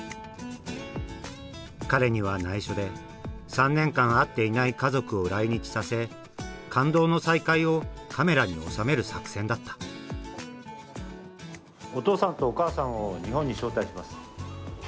彼にはないしょで３年間会っていない家族を来日させ感動の再会をカメラに収める作戦だったお父さんとお母さんを日本に招待します。